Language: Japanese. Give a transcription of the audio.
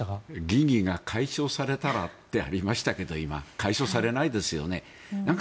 疑義が解消されたらってありましたが解消されないですよね。